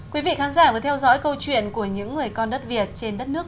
quý vị khán giả vừa theo dõi câu chuyện của những người con đất việt trên đất nước